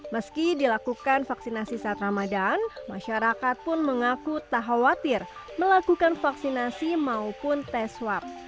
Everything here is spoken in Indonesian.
meski dilakukan vaksinasi saat ramadan masyarakat pun mengaku tak khawatir melakukan vaksinasi maupun tes swab